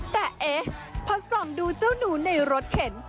แต่เอ๊ะพอส่องดูเจ้าหนูในรถเข็น